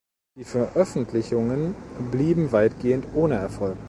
Die Veröffentlichungen blieben weitgehend ohne Erfolg.